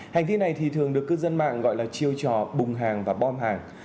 hành vi này thì thường được cư dân mạng gọi là chiêu trò bùng hàng và bom hàng